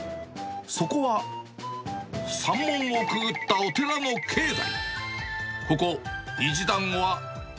そこは、さん門をくぐったお寺の境内。